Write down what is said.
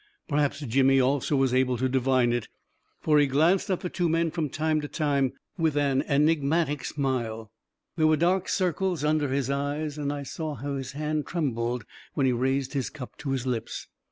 Perhaps Jimmy also was able to divine it, for he glanced at the two men from time to time with an enigmatic smile. There were dark circles 326 A KING IN BABYLON 3*7 under his eyes, and I saw how his hand trembled when he raised his cup to his lips.